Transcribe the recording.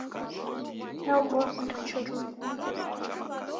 Naubua kwenda choronyi